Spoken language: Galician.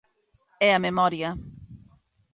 E a memoria.